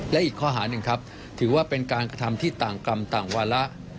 และอีกข้อหาหนึ่งครับถือว่าเป็นการกระทำที่ต่างกรรมต่างวาระ